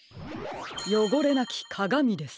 「よごれなきかがみ」です。